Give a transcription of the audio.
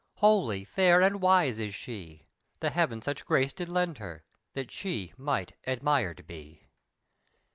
Holy, fair and wise is she; The heaven such grace did lend her, That she might admired be.